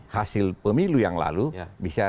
hasil pemilu yang lalu bisa